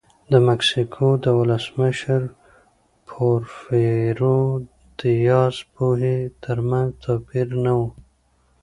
د مکسیکو د ولسمشر پورفیرو دیاز پوهې ترمنځ توپیر نه و.